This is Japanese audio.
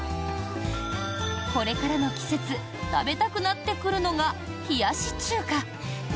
これからの季節食べたくなってくるのが冷やし中華。